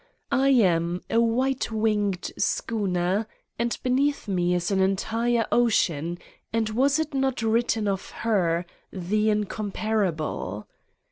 I am a white winged schooner and beneath me is an en tire ocean, and was it not written of Her: the Incomparable?